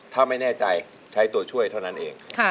ถ้าไม่แน่ใจใช้ตัวช่วยเท่านั้นเอง